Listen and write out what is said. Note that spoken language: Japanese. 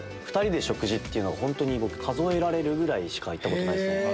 ２人で食事っていうのは本当に僕数えられるぐらいしか。